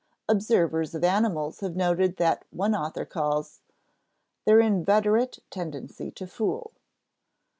Observers of animals have noted what one author calls "their inveterate tendency to fool."